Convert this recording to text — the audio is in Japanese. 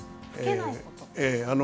ええ。